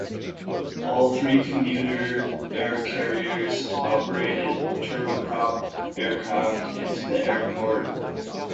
All three commuter air carriers operated turboprop aircraft into the airport.